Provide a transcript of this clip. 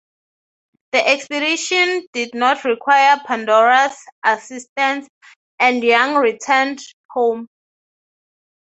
The expedition did not require "Pandora's" assistance, and Young returned home.